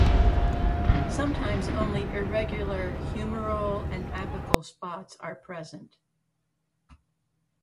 Sometimes only irregular humeral and apical spots are present.